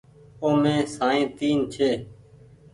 اومي سائين تين ڇي۔